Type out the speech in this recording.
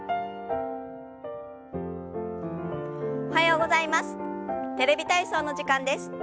おはようございます。